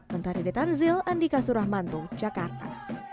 menteri detanzil andika surahmanto jakarta